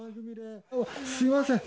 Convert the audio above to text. すみません。